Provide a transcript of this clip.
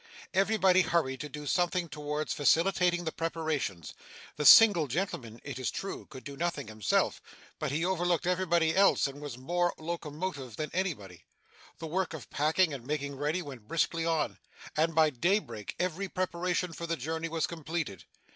Everybody hurried to do something towards facilitating the preparations. The single gentleman, it is true, could do nothing himself, but he overlooked everybody else and was more locomotive than anybody. The work of packing and making ready went briskly on, and by daybreak every preparation for the journey was completed.